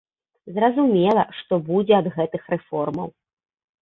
Зразумела, што будзе ад гэтых рэформаў.